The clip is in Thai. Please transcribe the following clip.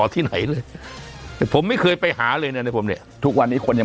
ที่ไหนเลยผมไม่เคยไปหาเลยเนี่ยในผมเนี่ยทุกวันนี้คนยัง